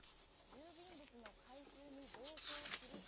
郵便物の回収に同行すると。